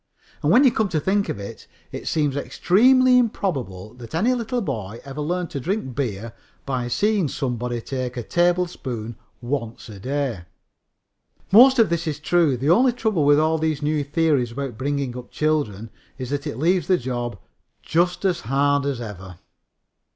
And when you come to think of it, it seems extremely improbable that any little boy ever learned to drink beer by seeing somebody take a tablespoonful once a day." Most of this is true. The only trouble with all the new theories about bringing up children is that it leaves the job just as hard as ever.